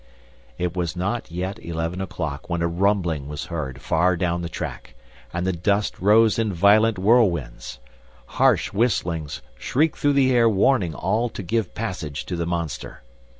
It was not yet eleven o'clock when a rumbling was heard far down the track, and the dust rose in violent whirlwinds. Harsh whistlings shrieked through the air warning all to give passage to the monster.